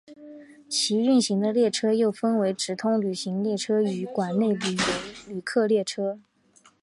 其运行的列车又分为直通旅客列车与管内旅客列车。